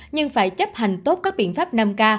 nhưng phải chấp hành tốt các biện pháp năm k